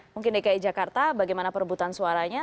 mungkin dki jakarta bagaimana perebutan suaranya